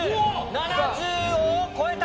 ７０を超えた！